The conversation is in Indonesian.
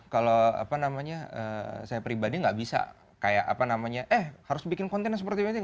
kalau apa namanya saya pribadi nggak bisa kayak apa namanya eh harus bikin konten yang seperti ini